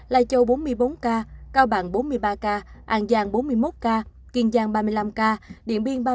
lai châu bốn mươi bốn ca cao bằng bốn mươi ba ca an giang bốn mươi một ca kiên giang ba mươi năm ca điện biên ba